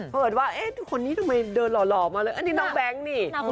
เปิดว่าเอ๊ะทุกคนนี้ทำไมเดินหล่อมาเลยอันนี้น้องแบงค์นี่